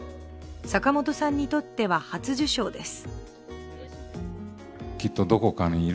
坂元さんにとっては初受賞です。